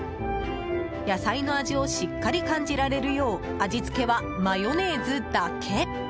野菜の味をしっかり感じられるよう味付けはマヨネーズだけ。